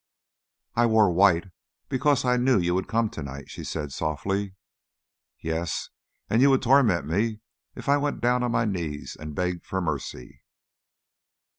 "I wore white because I knew you would come tonight," she said softly. "Yes, and you would torment me if I went down on my knees and begged for mercy."